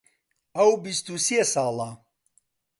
ئەو بیست و سێ ساڵە.